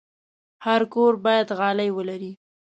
هر کور باید غالۍ ولري.